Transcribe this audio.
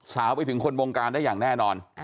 สาวไปถึงคนวงการได้อย่างแน่นอน